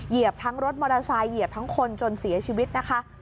เหยียบทั้งรถมอเตอร์ไซค์เหยียบทั้งคนจนเสียชีวิตนะคะ